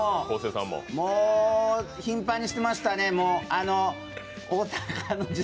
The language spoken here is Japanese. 頻繁にしてましたね。